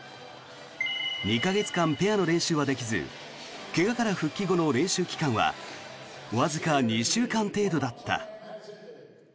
２か月間、ペアの練習はできず怪我から復帰後の練習期間はわずか２週間程度だった。